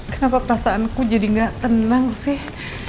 kenapa perasaanku jadi gak tenang sih